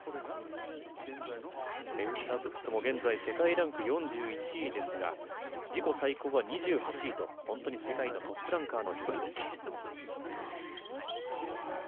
セウタブットも現在、世界ランク４１位ですが、自己最高が２８位と、本当に世界のトップランカーの一人です。